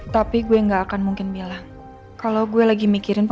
sampai jumpa di video selanjutnya